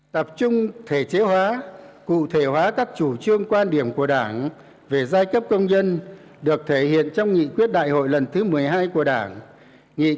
tập trung thể chế hóa cụ thể hóa các chủ trương quan điểm của đảng về giai cấp công nhân được thể hiện trong nghị quyết đại hội lần thứ một mươi hai của đảng